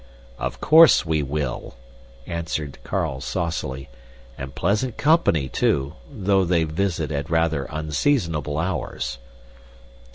"Of course we will," answered Carl saucily, "and pleasant company, too, though they visit at rather unseasonable hours."